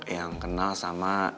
yang kenal sama